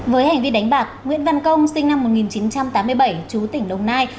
với hành vi đánh bạc nguyễn văn công sinh năm một nghìn chín trăm tám mươi bảy chú tỉnh đồng nai